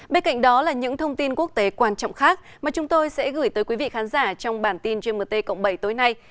bên cạnh đó là những thông tin quốc tế quan trọng khác mà chúng tôi sẽ gửi tới quý vị khán giả trong bản tin gmt cộng bảy tối nay